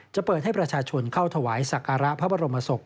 จะเปิดให้ประชาชนเข้าถวายสักการะพระบรมศพ